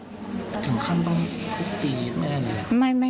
ถึงขั้นต้องทุบตีแม่เลย